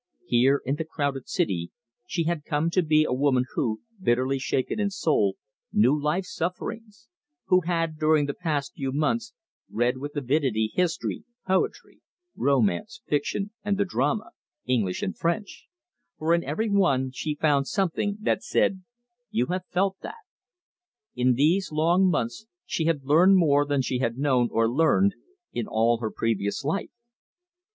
Here in the crowded city she had come to be a woman who, bitterly shaken in soul, knew life's sufferings; who had, during the past few months, read with avidity history, poetry, romance, fiction, and the drama, English and French; for in every one she found something that said: "You have felt that." In these long months she had learned more than she had known or learned in all her previous life.